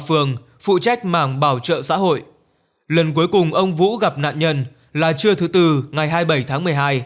phường phụ trách mảng bảo trợ xã hội lần cuối cùng ông vũ gặp nạn nhân là trưa thứ từ ngày hai mươi bảy tháng